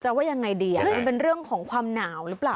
ว่ายังไงดีอ่ะมันเป็นเรื่องของความหนาวหรือเปล่า